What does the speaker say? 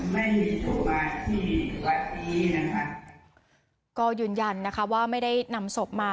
ไม่มีศพมาที่วัดดีนะครับก็ยืนยันนะคะว่าไม่ได้นำศพมา